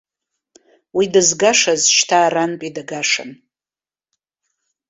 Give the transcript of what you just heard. Уи дызгашаз шьҭа арантәи дагашан.